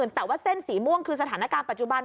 แต่ว่าเส้นสีม่วงคือสถานการณ์ปัจจุบัน